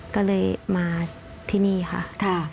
ก็เลยมาที่นี่ค่ะ